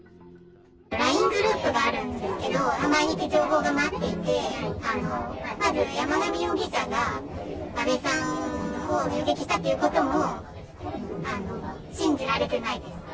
ＬＩＮＥグループがあるんですけど、毎日、情報が回っていて、まず山上容疑者が安倍さんを銃撃したということも信じられてないです。